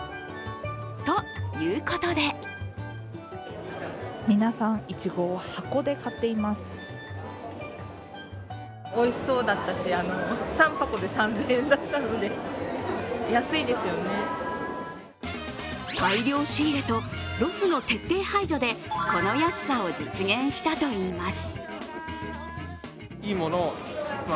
ということで大量仕入れとロスの徹底排除でこの安さを実現したといいます。